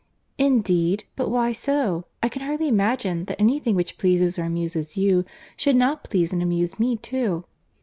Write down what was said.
"Indeed! but why so?—I can hardly imagine that any thing which pleases or amuses you, should not please and amuse me too."